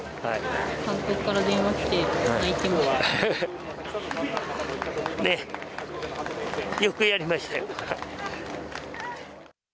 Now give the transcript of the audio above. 監督から電話が来て、泣いてね、よくやりましたよ。